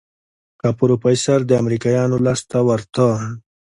که پروفيسر د امريکايانو لاس ته ورته.